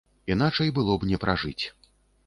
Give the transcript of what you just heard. Іначай было б не пражыць.